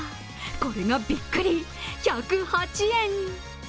これがびっくり、１０８円。